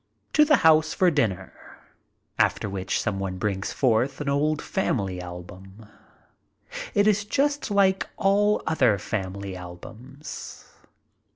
To the house for dinner, after which some one brings forth an old family album. It is just like all other family albums.